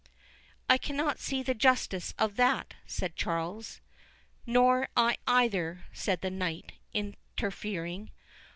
"I cannot see the justice of that," said Charles. "Nor I neither," said the knight, interfering.